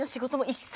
一切？